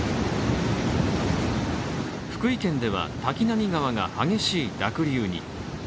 福井県では、滝波川が激しい濁流に。